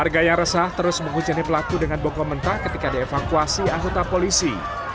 warga yang resah terus menghujani pelaku dengan bokom mentah ketika dievakuasi anggota polisi